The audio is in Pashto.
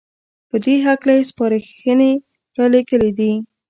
په دې هکله يې سپارښنې رالېږلې دي